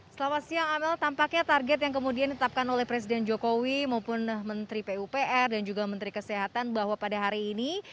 selamat siang amel tampaknya target yang kemudian ditetapkan oleh presiden jokowi maupun menteri pupr dan juga menteri kesehatan bahwa pada hari ini